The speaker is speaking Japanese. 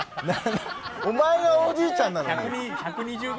お前がおじいちゃんなのに。